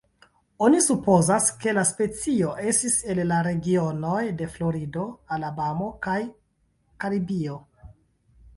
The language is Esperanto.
Oni supozas, ke la specio estis el la regionoj de Florido, Alabamo kaj Karibio.